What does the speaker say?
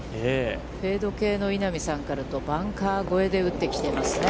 フェード系の稲見さんからだとバンカー越えで打ってきていますね。